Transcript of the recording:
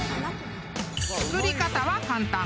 ［作り方は簡単］